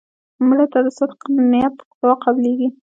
مړه ته د صدق نیت دعا قبلیږي